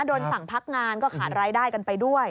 โดนสั่งพักงานก็ขาดรายได้กันไปด้วย